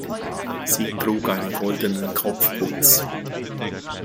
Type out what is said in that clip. Sie trug einen goldenen Kopfputz.